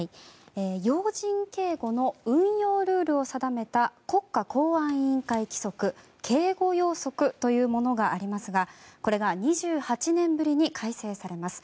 要人警護の運用ルールを定めた国家公安委員会規則、警護要則というものがありますがこれが２８年ぶりに改正されます。